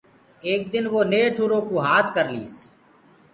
ايڪ دن وو نيٺ اُرو ڪوُ هآت ڪرليس۔